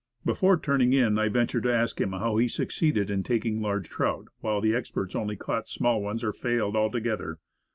Before turning in I ventured to ask him how he succeeded in taking large trout, while the experts only caught small ones, or failed altogether.